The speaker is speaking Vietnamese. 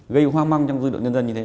gây hoa măng trong dư đội nhân dân như thế